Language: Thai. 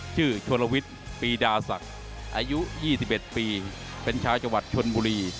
โชลวิทย์ปีดาศักดิ์อายุ๒๑ปีเป็นชาวจังหวัดชนบุรี